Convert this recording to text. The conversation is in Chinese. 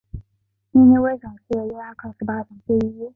尼尼微省是伊拉克十八省之一。